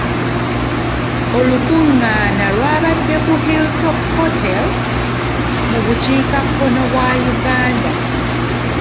Olukungaana lw'abadde ku Hilltop hotel mu bukiikakkono bwa Uganda.